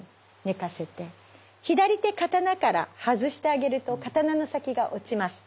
左手刀から外してあげると刀の先が落ちます。